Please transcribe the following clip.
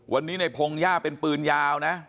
วันนี้ในพงหญ้าเป็นปืนยาวนะ